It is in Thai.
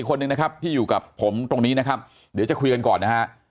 คนหนึ่งนะครับที่อยู่กับผมตรงนี้นะครับเดี๋ยวจะคุยกันก่อนนะฮะ